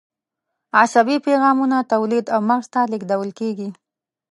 عصبي پیغامونه تولید او مغز ته لیږدول کېږي.